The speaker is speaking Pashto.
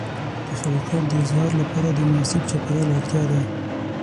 د خلاقیت د اظهار لپاره د مناسب چاپېریال اړتیا ده.